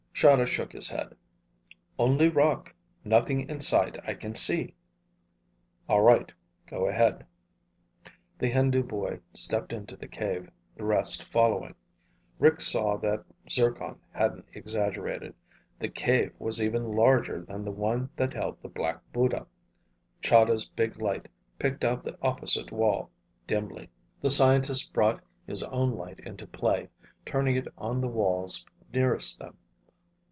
Chahda shook his head. "Only rock. Nothing inside I can see." "All right. Go ahead." The Hindu boy stepped into the cave, the rest following. Rick saw that Zircon hadn't exaggerated. The cave was even larger than the one that held the Black Buddha. Chahda's big light picked out the opposite wall dimly. The scientist brought his own light into play, turning it on the walls nearest them.